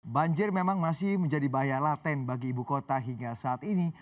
banjir memang masih menjadi bahaya laten bagi ibu kota hingga saat ini